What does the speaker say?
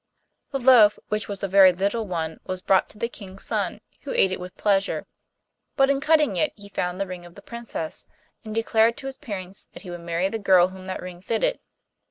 The loaf, which was a very little one, was brought to the King's son, who ate it with pleasure. But in cutting it he found the ring of the Princess, and declared to his parents that he would marry the girl whom that ring fitted.